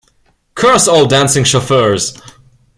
Curse all dancing chauffeurs!